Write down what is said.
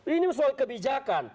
ini soal kebijakan